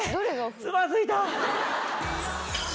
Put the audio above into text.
つまずいた。